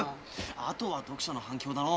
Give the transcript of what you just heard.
あとは読者の反響だの。